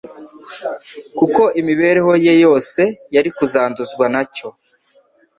kuko imibereho ye yose yari kuzanduzwa nacyo.